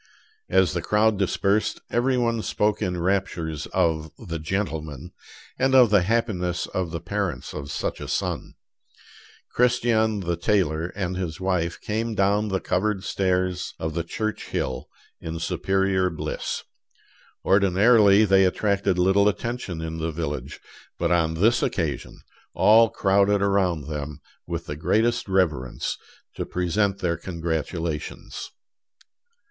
As the crowd dispersed, every one spoke in raptures of the "gentleman" and of the happiness of the parents of such a son. Christian the tailor and his wife came down the covered stairs of the church hill in superior bliss. Ordinarily they attracted little attention in the village; but on this occasion all crowded around them with the greatest reverence, to present their congratulations.